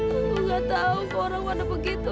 aku gak tahu kok orang pada begitu ya